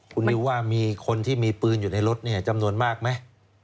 คุณนิวว่ามีคนที่มีปืนอยู่ในรถจำนวนมากไหม